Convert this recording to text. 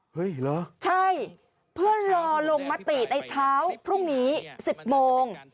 เหรอใช่เพื่อรอลงมติในเช้าพรุ่งนี้๑๐โมง